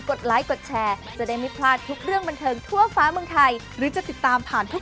ไปจับมงจับมือแล้วดึงศิลปินหรือว่าดึงแดนเซอร์เนี่ยไม่ได้เลย